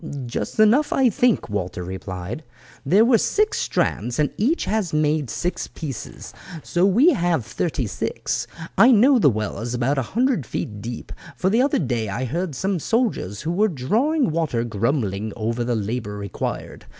"Just enough, I think," Walter replied; "there were six strands, and each has made six pieces, so we have thirty six. I know the well is about a hundred feet deep, for the other day I heard some of the soldiers who were drawing water grumbling over the labour required.